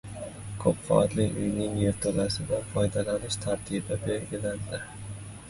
Ko‘p qavatli uyning yerto‘lasidan foydalanish tartibi belgilandi